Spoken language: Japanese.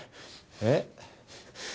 えっ？